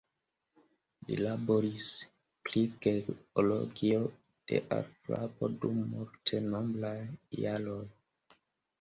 Li laboris pri geologio de alfrapo dum multenombraj jaroj.